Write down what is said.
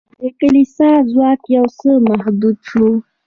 د کلیسا ځواک یو څه محدود شو.